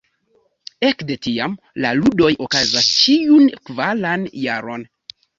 Ekde tiam, la ludoj okazas ĉiun kvaran jaron.